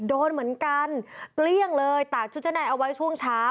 โดนเหมือนกันเกลี้ยงเลยตากชุดชั้นในเอาไว้ช่วงเช้า